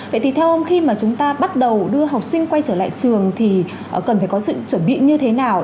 vậy thì theo ông khi mà chúng ta bắt đầu đưa học sinh quay trở lại trường thì cần phải có sự chuẩn bị như thế nào